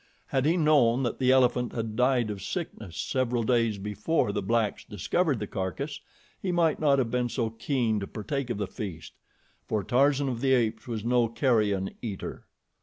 Had he known that the elephant had died of sickness several days before the blacks discovered the carcass, he might not have been so keen to partake of the feast, for Tarzan of the Apes was no carrion eater.